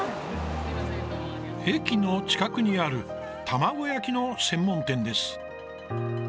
駅の近くにある玉子焼きの専門店です。